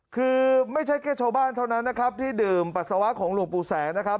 คือไม่ใช่แค่ชาวบ้านเท่านั้นนะครับที่ดื่มปัสสาวะของหลวงปู่แสงนะครับ